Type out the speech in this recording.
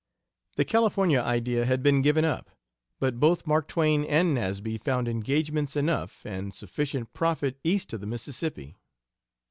The California idea had been given up, but both Mark Twain and Nasby found engagements enough, and sufficient profit east of the Mississippi.